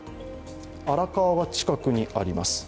荒川が近くにあります。